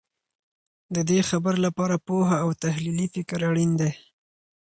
د دې خبر لپاره پوهه او تحلیلي فکر اړین دی.